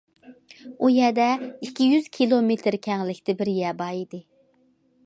ئۇ يەردە ئىككى يۈز كىلو مېتىر كەڭلىكتە بىر يەر بار ئىدى.